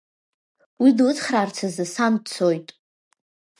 Уи длыцхраарц азы, сан дцоит.